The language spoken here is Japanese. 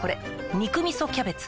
「肉みそキャベツ」